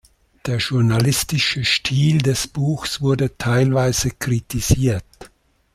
Der journalistische Stil des Buchs wurde teilweise kritisiert.